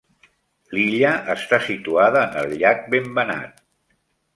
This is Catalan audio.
L'illa està situada en el llac Vembanad.